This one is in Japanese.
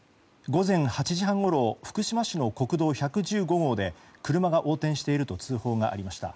午前８時半ごろ福島市の国道１１５号で車が横転していると通報がありました。